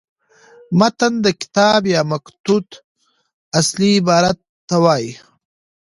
متن د کتاب یا مکتوت اصلي عبارت ته وايي.